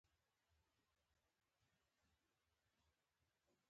ته ودرېږه چي ! سم دي کړم .